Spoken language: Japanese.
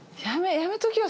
やめときよ